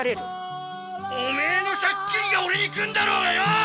おめえの借金が俺に来んだろうがよ！